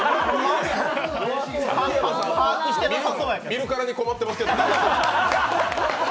見るからに困ってますけど。